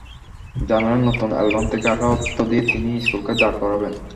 জানালেন, নতুন অ্যালবাম থেকে আসা অর্থ দিয়ে তিনি স্কুলকে দাঁড় করাবেন।